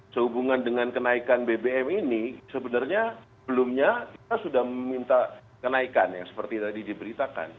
sehubungan dengan kenaikan bbm ini sebenarnya belumnya kita sudah meminta kenaikan yang seperti tadi diberitakan